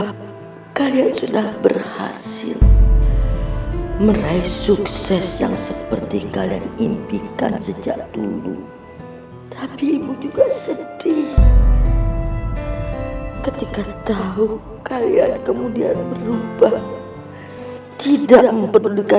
ibu sudah meninggal kemarin malam mbak tias